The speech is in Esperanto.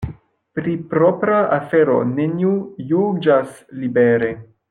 Pri propra afero neniu juĝas libere.